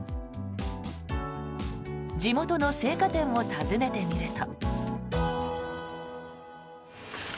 地元の青果店を訪ねてみると。